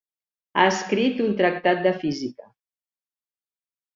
Ha escrit un tractat de física.